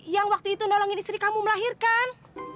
yang waktu itu nolongin istri kamu melahirkan